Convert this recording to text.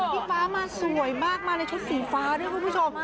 พี่ฟ้ามาสวยมากมาในชุดสีฟ้าด้วยคุณผู้ชม